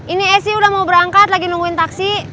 ini esy udah mau berangkat lagi nungguin taksi